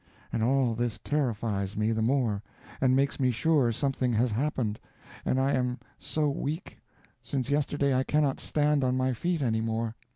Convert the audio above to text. and all this terrifies me the more, and makes me sure something has happened. And I am so weak; since yesterday I cannot stand on my feet anymore.